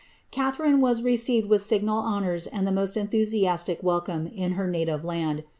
* Catharine was received with signal honours and the most enthusiastic sicome in her native land.